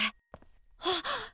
あっ！